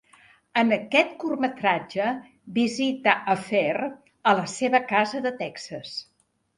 En aquest curtmetratge visita a Fair a la seva casa de Texas.